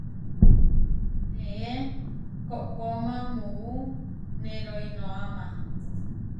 Neé koʼkóma muú neroínoama.